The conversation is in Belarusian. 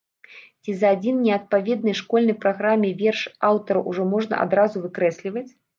Ці за адзін неадпаведны школьнай праграме верш аўтара ўжо можна адразу выкрэсліваць?